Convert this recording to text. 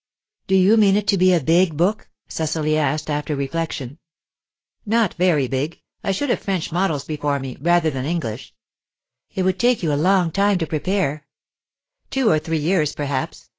"Do you mean it to be a big book!" Cecily asked, after reflection. "Not very big. I should have French models before me, rather than English." "It would take you a long time to prepare." "Two or three years, perhaps.